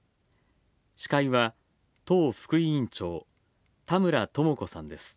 司会は、党副委員長田村智子さんです。